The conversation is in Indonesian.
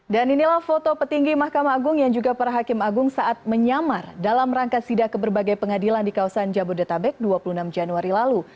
dan inilah foto petinggi mahkamah agung yang juga para hakim agung saat menyamar dalam rangka sidak ke berbagai pengadilan di kawasan jabodetabek dua puluh enam januari lalu